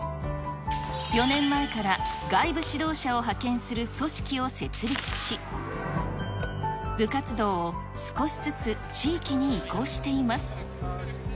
４年前から外部指導者を派遣する組織を設立し、部活動を少しずつ地域に移行しています。